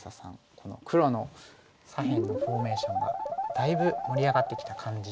この黒の左辺のフォーメーションがだいぶ盛り上がってきた感じに。